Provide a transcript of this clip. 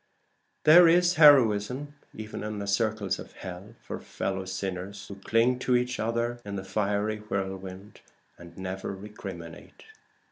There is heroism even in the circles of hell for fellow sinners who cling to each other in the fiery whirlwind and never recriminate.